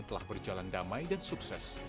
telah berjalan damai dan sukses